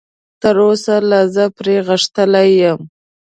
تراوسه لا زه پرې غښتلی یم.